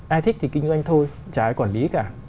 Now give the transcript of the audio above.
ai thích thì kinh doanh thôi ai quản lý cả